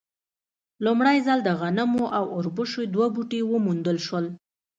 لومړی ځل د غنمو او اوربشو دوه بوټي وموندل شول.